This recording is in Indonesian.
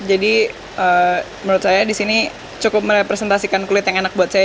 jadi menurut saya disini cukup merepresentasikan kulit yang enak buat saya